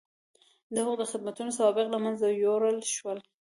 د هغه د خدمتونو سوابق له منځه یووړل شول.